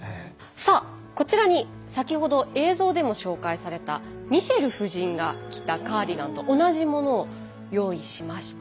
さあこちらに先ほど映像でも紹介されたミシェル夫人が着たカーディガンと同じものを用意しました。